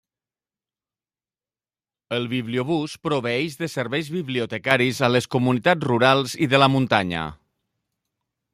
El bibliobús proveeix de serveis bibliotecaris a les comunitats rurals i de la muntanya.